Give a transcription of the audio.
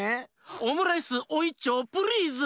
オムライスおいっちょうプリーズ！